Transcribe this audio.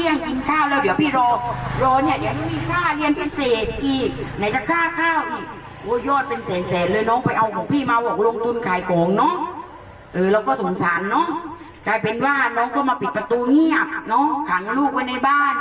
เนี่ยคนก็คอมเม้นต์บอกว่าโอ้โหเจ้านี้พูดเก่งเก่ง